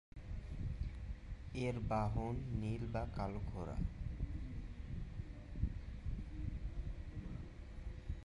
এর বাহন নীল বা কালো ঘোড়া।